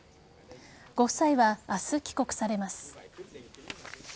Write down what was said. ご夫妻は明日、帰国されます。